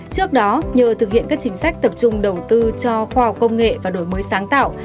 trước đó nhờ thực hiện các chính sách tập trung đầu tư cho khoa học công nghệ và đổi mới sáng tạo